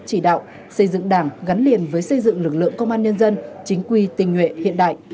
chỉ đạo xây dựng đảng gắn liền với xây dựng lực lượng công an nhân dân chính quy tình nguyện hiện đại